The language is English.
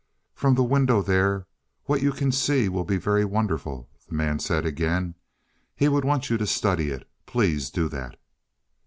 "From the window there what you can see will be very wonderful," the man said again. "He would want you to study it. Please do that."